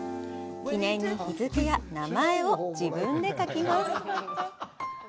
記念に日付や名前を自分で書きます。